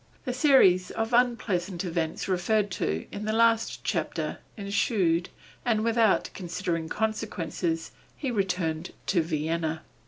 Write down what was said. The series of unpleasant events referred to in the last chapter ensued, and, without considering consequences, he returned to Vienna.